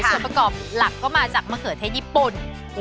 ส่วนประกอบหลักก็มาจากมะเขือเทศญี่ปุ่น